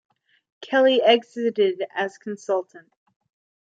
Kelley exited as consultant.